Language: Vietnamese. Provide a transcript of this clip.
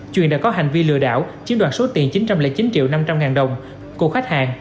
truyền đã có hành vi lừa đảo chiếm đoạt số tiền chín trăm linh chín triệu năm trăm linh ngàn đồng của khách hàng